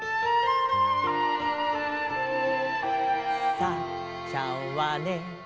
「サッちゃんはね」